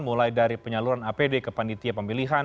mulai dari penyaluran apd ke panitia pemilihan